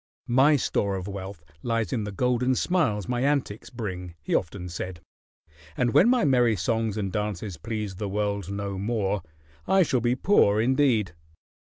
"My store of wealth lies in the golden smiles my antics bring," he often said, "and when my merry songs and dances please the world no more, I shall be poor indeed."